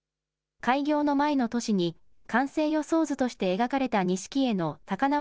開業の前の年に、完成予想図として描かれた錦絵の高縄